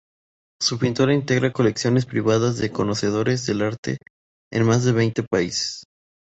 Su pintura integra colecciones privadas de conocedores del arte en más de veinte países.